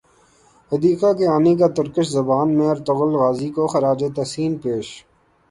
حدیقہ کیانی کا ترکش زبان میں ارطغرل غازی کو خراج تحسین پیش